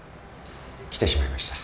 来てしまいました。